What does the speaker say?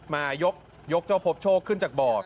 มายกเจ้าพบโชคขึ้นจากบ่อ